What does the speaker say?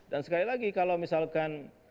sekali lagi kalau misalkan